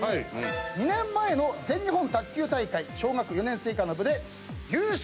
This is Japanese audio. ２年前の全日本卓球大会小学４年生以下の部で優勝。